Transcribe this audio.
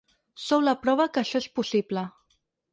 Sou la prova que això és possible.